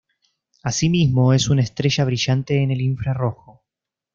Asimismo, es una estrella brillante en el infrarrojo.